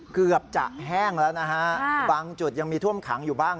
เกือบจะแห้งแล้วนะฮะบางจุดยังมีท่วมขังอยู่บ้าง